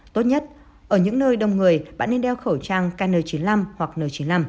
tốt nhất ở những nơi đông người bạn nên đeo khẩu trang kn chín mươi năm hoặc n chín mươi năm